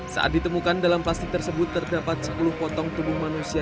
saat ditemukan dalam plastik tersebut terdapat sepuluh potong tubuh manusia